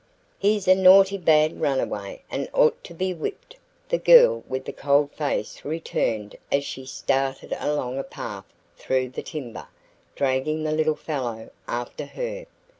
"He's a naughty bad runaway and ought to be whipped," the girl with the cold face returned as she started along a path through the timber, dragging the little fellow after her.